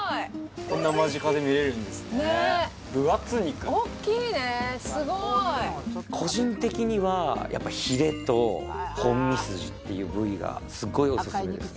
こんな間近で見れるんですねねえ分厚っ肉おっきいねすごい個人的にはやっぱヒレとホンミスジっていう部位がすごいオススメですね